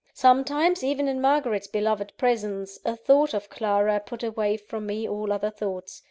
Sometimes, even in Margaret's beloved presence, a thought of Clara put away from me all other thoughts.